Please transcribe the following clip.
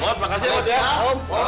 om makasih ya om